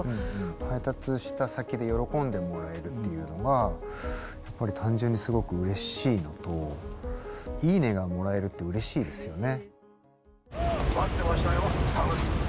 配達した先で喜んでもらえるっていうのがやっぱり単純にすごくうれしいのと「いいね」がもらえるってうれしいですよね。